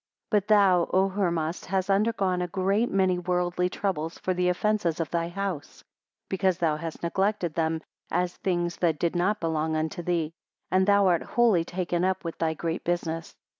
24 But thou, O Hermas! hast undergone a great many worldly troubles for the offences of thy house, because thou hast neglected them, as things that did not belong unto thee; and thou art wholly taken up with thy great business.